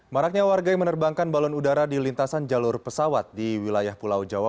maraknya warga yang menerbangkan balon udara di lintasan jalur pesawat di wilayah pulau jawa